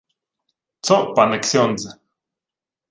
— Цо, пане ксьондзе?